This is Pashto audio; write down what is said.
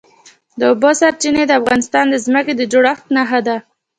د اوبو سرچینې د افغانستان د ځمکې د جوړښت نښه ده.